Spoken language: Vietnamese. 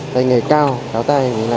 tay nghề cao cáo tay làm được